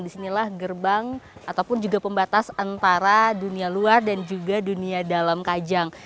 disinilah gerbang ataupun juga pembatas antara dunia luar dan juga dunia dalam kajang